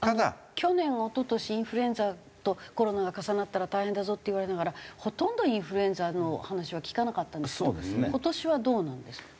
去年おととしインフルエンザとコロナが重なったら大変だぞって言われながらほとんどインフルエンザの話は聞かなかったんですけど今年はどうなんですか？